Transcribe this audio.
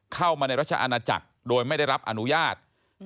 เข้ามาในรัชอาณาจักรโดยไม่ได้รับอนุญาต